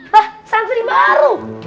hah sangsri baru